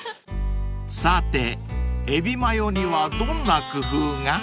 ［さてえびまよにはどんな工夫が？］